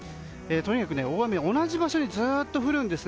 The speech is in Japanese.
とにかく大雨、同じ場所にずっと降るんです。